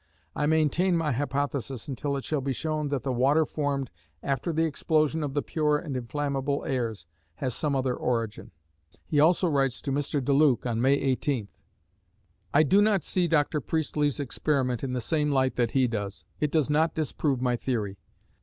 I maintain my hypothesis until it shall be shown that the water formed after the explosion of the pure and inflammable airs, has some other origin. He also writes to Mr. DeLuc on May 18th: I do not see Dr. Priestley's experiment in the same light that he does. It does not disprove my theory....